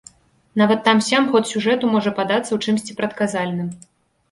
Нават там-сям ход сюжэту можа падацца ў чымсьці прадказальным.